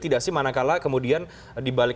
tidak sih manakala kemudian di balik